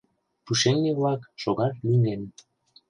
Пушеҥге-влак шогат лӱҥген.